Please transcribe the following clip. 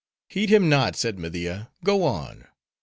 "Heed him not," said Media—"go on."